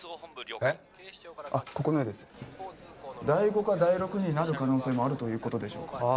第５か第６になる可能性もあるということでしょうか？